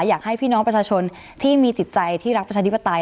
อยากให้พี่น้องประชาชนที่มีจิตใจที่รักประชาธิปไตย